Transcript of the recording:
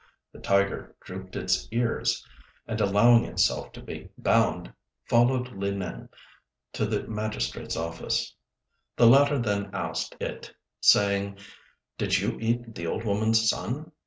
The tiger drooped its ears, and allowing itself to be bound, followed Li Nêng to the magistrate's office. The latter then asked it, saying, "Did you eat the old woman's son?"